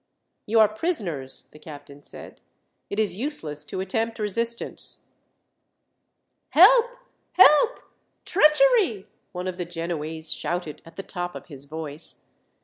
"You are prisoners," the captain said. "It is useless to attempt resistance." "Help, help, treachery!" one of the Genoese shouted at the top of his voice.